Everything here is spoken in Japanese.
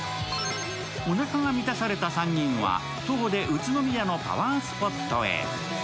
おなかが満たされた３人は徒歩で宇都宮のパワースポットへ。